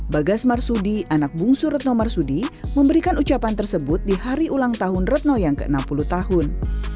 bagas marsudi anak bungsu retno marsudi memberikan ucapan tersebut di hari ulang tahun retno yang ke enam puluh tahun